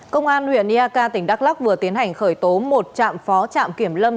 công an huyện ia ca tỉnh đắk lắk vừa tiến hành khởi tố một trạm phó trạm kiểm lâm